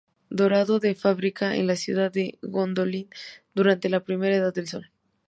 Dardo fue fabricada en la ciudad de Gondolin durante la Primera Edad del Sol.